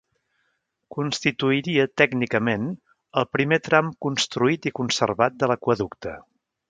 Constituiria tècnicament el primer tram construït i conservat de l'aqüeducte.